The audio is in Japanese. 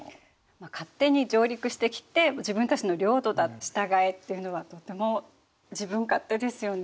勝手に上陸してきて自分たちの領土だ従えっていうのはとても自分勝手ですよね。